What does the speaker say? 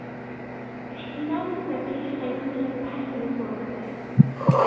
احْتِمَالُ السَّفِيهِ خَيْرٌ مِنْ التَّحَلِّي بِصُورَتِهِ